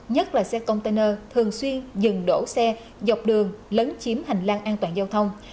nhất là xe container thường xuyên dừng đổ xe dọc đường lấn chiếm hành lang an toàn giao thông